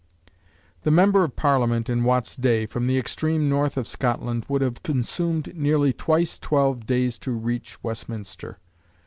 The member of Parliament in Watt's day from the extreme north of Scotland would have consumed nearly twice twelve days to reach Westminster.